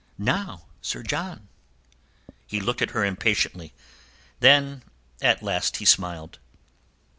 Now, Sir John!" He looked up at her impatiently. Then, at last he smiled.